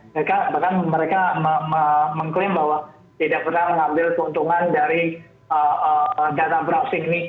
mereka bahkan mereka mengklaim bahwa tidak pernah mengambil keuntungan dari dana browsing ini